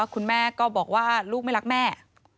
คุณแม่ก็บอกว่าลูกไม่รักแม่